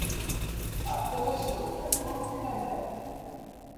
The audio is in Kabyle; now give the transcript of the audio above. Ɛeddan ad ssrewten, ur ufin annar.